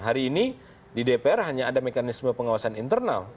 hari ini di dpr hanya ada mekanisme pengawasan internal